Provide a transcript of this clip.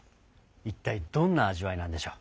一体どんな味わいなんでしょう。